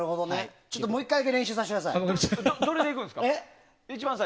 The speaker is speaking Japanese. もう１回だけ練習させてください。